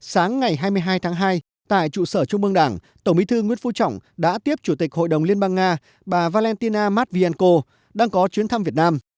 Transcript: sáng ngày hai mươi hai tháng hai tại trụ sở trung mương đảng tổng bí thư nguyễn phú trọng đã tiếp chủ tịch hội đồng liên bang nga bà valentina matvienko đang có chuyến thăm việt nam